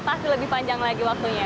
pasti lebih panjang lagi waktunya